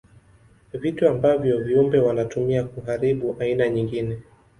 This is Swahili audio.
Vitu ambavyo viumbe wanatumia kuharibu aina nyingine.